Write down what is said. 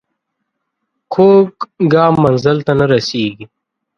کوږ ګام منزل ته نه رسېږي